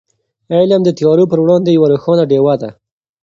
علم د تیارو په وړاندې یوه روښانه ډېوه ده.